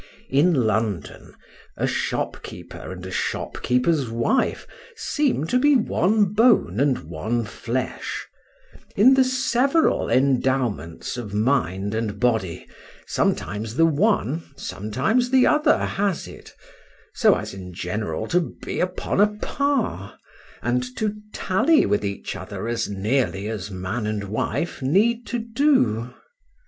In London a shopkeeper and a shopkeeper's wife seem to be one bone and one flesh: in the several endowments of mind and body, sometimes the one, sometimes the other has it, so as, in general, to be upon a par, and totally with each other as nearly as man and wife need to do.